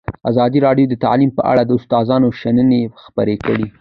ازادي راډیو د تعلیم په اړه د استادانو شننې خپرې کړي.